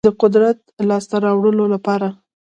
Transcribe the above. چې د قدرت لاسته راوړلو لپاره